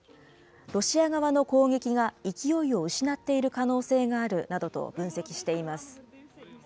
ロシア側の攻撃が、勢いを失っている可能性があるなどと分析しています。